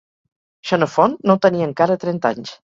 Xenofont no tenia encara trenta anys